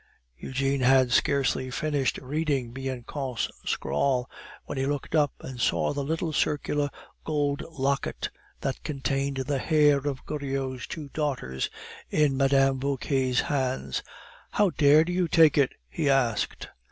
Eugene had scarcely finished reading Bianchon's scrawl, when he looked up and saw the little circular gold locket that contained the hair of Goriot's two daughters in Mme. Vauquer's hands. "How dared you take it?" he asked.